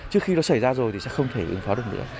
trước khi nó xảy ra rồi thì sẽ không thể ứng phó được nữa